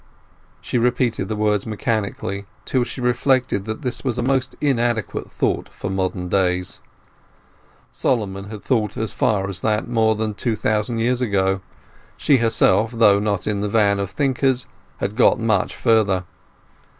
She repeated the words mechanically, till she reflected that this was a most inadequate thought for modern days. Solomon had thought as far as that more than two thousand years ago; she herself, though not in the van of thinkers, had got much further.